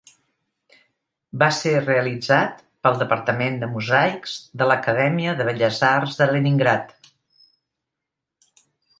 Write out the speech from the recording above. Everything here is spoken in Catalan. Va ser realitzat pel departament de mosaics de l'Acadèmia de Belles Arts de Leningrad.